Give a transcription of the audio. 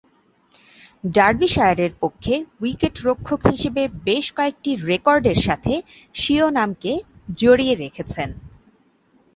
ডার্বিশায়ারের পক্ষে উইকেট-রক্ষক হিসেবে বেশ কয়েকটি রেকর্ডের সাথে স্বীয় নামকে জড়িয়ে রেখেছেন।